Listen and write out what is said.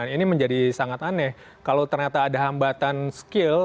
ini menjadi sangat aneh kalau ternyata ada hambatan skill